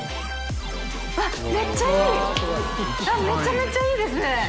めちゃめちゃいいですね。